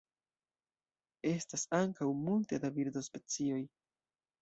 Estas ankaŭ multe da birdospecioj.